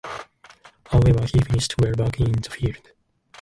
However, he finished well back in the field.